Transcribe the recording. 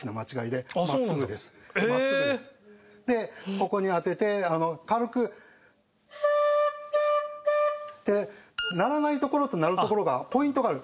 ここに当てて軽く。って鳴らないところと鳴るところがポイントがある。